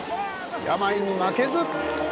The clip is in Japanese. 病に負けず